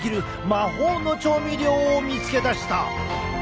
魔法の調味料を見つけ出した。